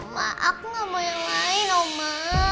mama aku nggak mau yang lain mama